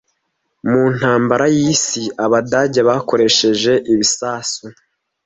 mu intambara y'isi Abadage bakoresheje ibisasu